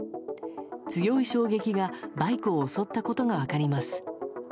強い衝撃がバイクを襲ったことが分かります。